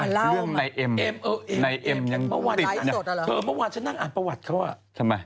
เรื่องในเอ็มในเอ็มยังติดอ่ะเธอเมื่อวานฉันนั่งอ่านประวัติเขาอ่ะ